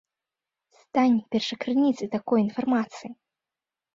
Стань першакрыніцай такой інфармацыі.